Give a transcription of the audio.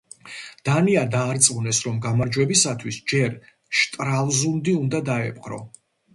დანია დაარწმუნეს, რომ გამარჯვებისათვის ჯერ შტრალზუნდი უნდა დაეპყრო.